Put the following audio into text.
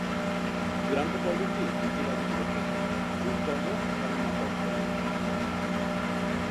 চূড়ান্ত পর্বটি দুইটি ভাগে বিভক্ত থাকে: গ্রুপ পর্ব এবং নকআউট পর্ব।